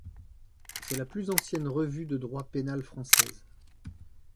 C'est la plus ancienne revue de droit pénale française.